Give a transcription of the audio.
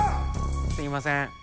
すいません。